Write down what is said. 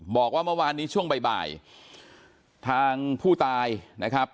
บอกว่าเมื่อวานนี้ช่วงบ่ายทางผู้ตายนะครับ